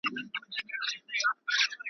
زه هوښیار یم خوله به څنګه خلاصومه .